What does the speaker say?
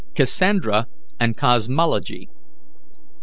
CASSANDRA AND COSMOLOGY.